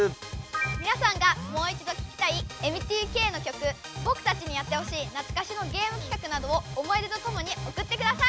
みなさんがもう一ど聞きたいＭＴＫの曲ぼくたちにやってほしいなつかしのゲーム企画などを思い出とともにおくってください！